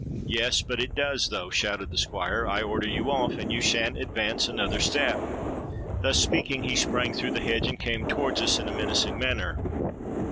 '—'Yes, but it does though,' shouted the Squire. 'I order you off; and you shan't advance another step.' Thus speaking, he sprang through the hedge, and came towards us in a menacing manner.